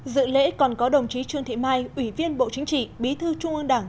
dự lễ còn có đồng chí trương thị mai ủy viên bộ chính trị bí thư trung ương đảng